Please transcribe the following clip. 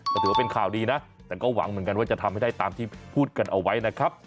ก็ถือว่าเป็นข่าวดีนะแต่ก็หวังเหมือนกันว่าจะทำให้ได้ตามที่พูดกันเอาไว้นะครับ